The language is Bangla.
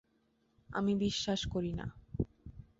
আমি বিশ্বাস করি না।